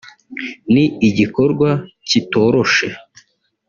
ni igikorwa kitoroshe